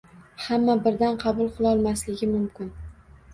Hamma birdan qabul qilolmasligi mumkin.